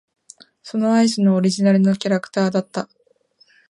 そのアイスのオリジナルのキャラクターだった。